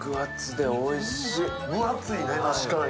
分厚いね確かに。